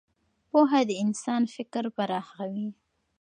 پوهه د انسان فکر پراخوي.